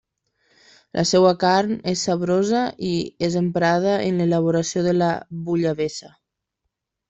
La seua carn és saborosa i és emprada en l'elaboració de la bullabessa.